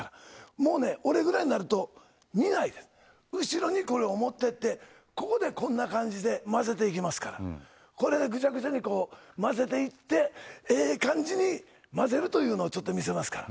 もうね、俺ぐらいになると、見ないで、後ろにこれを持っていって、ここでこんな感じで混ぜていきますから、これでぐしゃぐしゃに混ぜていって、ええ感じに混ぜるというのをちょっと見せますから。